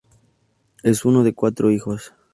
Es uno de cuatro hijos.